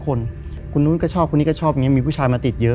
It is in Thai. คือก่อนอื่นพี่แจ็คผมได้ตั้งชื่อเอาไว้ชื่อเอาไว้ชื่อ